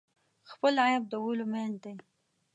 خپل عیب د ولیو منځ دی.